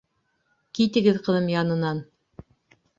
Китегеҙ ҡыҙым янынан.